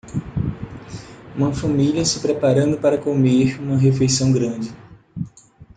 Uma família se preparando para comer uma refeição grande.